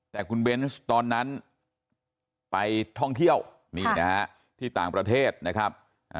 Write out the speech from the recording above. แต่คุณเบนส์ตอนนั้นไปท่องเที่ยวนี่นะฮะที่ต่างประเทศนะครับ